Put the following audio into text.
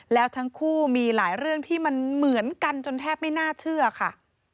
แล้วทั้งคู่มีหลายเรื่องที่มันเหมือนกันจนแทบไม่น่าเชื่อค่ะ